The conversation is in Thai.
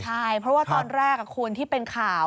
ใช่เพราะว่าตอนแรกคุณที่เป็นข่าว